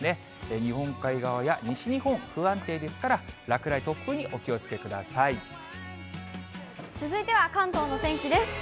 日本海側や西日本、不安定ですから、落雷、続いては、関東のお天気です。